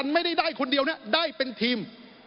ไม่ได้ได้คนเดียวเนี่ยได้เป็นทีม